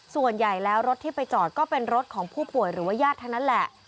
ส่วนใหญ่แล้วรถที่ไปจอดก็เป็นรถของผู้ป่วยหรือว่าญาติทั้งนั้นแหละ